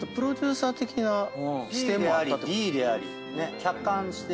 客観して。